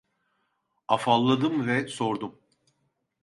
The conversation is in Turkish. Afalladım ve sordum: